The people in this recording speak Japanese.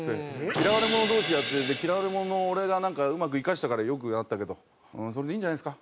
「嫌われ者同士でやって嫌われ者の俺がなんかうまく生かしたから良くなったけどそれでいいんじゃないですか？